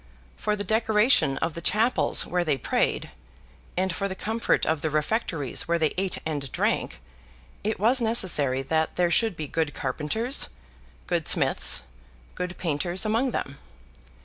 For the decoration of the chapels where they prayed, and for the comfort of the refectories where they ate and drank, it was necessary that there should be good carpenters, good smiths, good painters, among them.